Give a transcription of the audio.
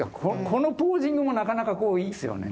このポージングもなかなかいいっすよね。